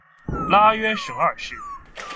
拉约什二世。